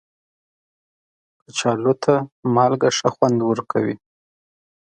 کچالو ته مالګه ښه خوند ورکوي